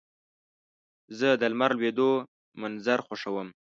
زه د لمر لوېدو منظر خوښوم.